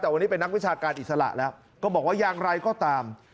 แต่วันนี้เป็นนักวิชาการอิสระแล้วก็บอกว่าอย่างไรก็ตาม